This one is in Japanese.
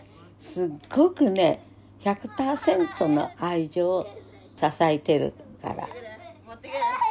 すっごくね１００％の愛情支えてるから。